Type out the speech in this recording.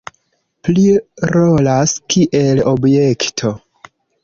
Pli rolas kiel objekto.